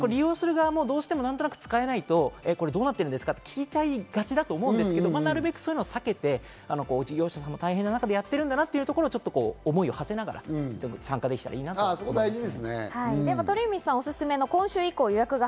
利用する側も何となく使わないと、どうなってるんですか？って聞いちゃいがちだと思うんですけど、なるべくそういうのは避けて、事業者さんが大変な中でやってるんだなというのを思いをはせながら参加できたらいいなと思います。